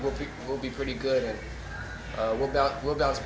saya pikir kita akan cukup bagus